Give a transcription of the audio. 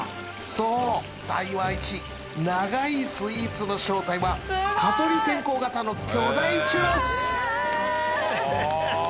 そう台湾イチ長いスイーツの正体は蚊取り線香形の巨大チュロス